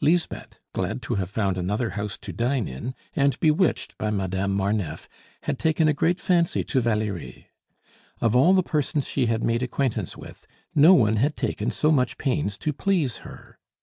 Lisbeth, glad to have found another house to dine in, and bewitched by Madame Marneffe, had taken a great fancy to Valerie. Of all the persons she had made acquaintance with, no one had taken so much pains to please her.